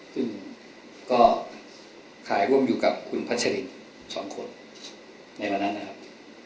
ซึ่งก็ขายร่วมอยู่กับคุณพัชรินสองคนในวันนั้นนะครับ